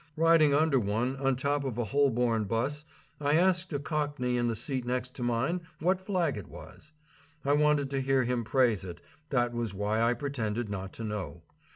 Riding under one on top of a Holborn bus, I asked a cockney in the seat next to mine what flag it was. I wanted to hear him praise it, that was why I pretended not to know.